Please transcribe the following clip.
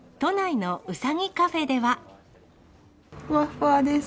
ふわふわです。